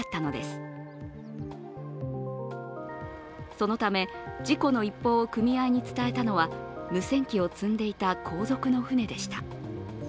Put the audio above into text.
そのため事故の一報を組合に伝えたのは無線機を積んでいた後続の舟でした。